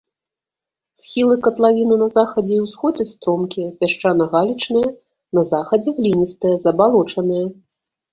Схілы катлавіны на захадзе і ўсходзе стромкія, пясчана-галечныя, на захадзе гліністыя, забалочаныя.